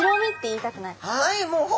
はい。